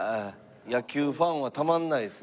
野球ファンはたまらないですね